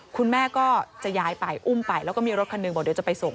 คุณแม่ก็จะย้ายไปอุ้มไปแล้วก็มีรถคันหนึ่งบอกเดี๋ยวจะไปส่ง